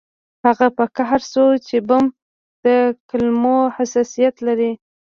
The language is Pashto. هغه په قهر شو چې بم د کلمو حساسیت لري